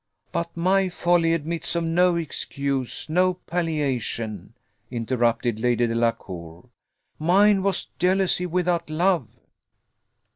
But my folly admits of no excuse, no palliation," interrupted Lady Delacour; "mine was jealousy without love."